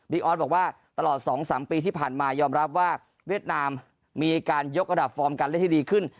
ออสบอกว่าตลอด๒๓ปีที่ผ่านมายอมรับว่าเวียดนามมีการยกระดับฟอร์มการเล่นให้ดีขึ้น